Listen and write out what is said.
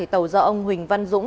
tàu do ông huỳnh văn dũng